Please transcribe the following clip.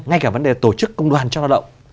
ngay cả vấn đề tổ chức công đoàn cho lao động